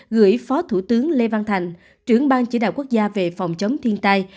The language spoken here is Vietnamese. gửi phó thủ tướng lê văn thành trưởng ban chỉ đạo quốc gia về phòng chống thiên tai